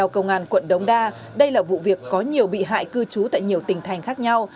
công an quận đống đa đây là vụ việc có nhiều bị hại cư trú tại nhiều tỉnh thành khác nhau